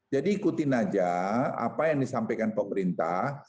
jadi ikutin saja apa yang disampaikan pemerintah